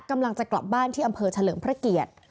กำลังจะกลับบ้านที่อำเภอเฉลิมพระเกียรติ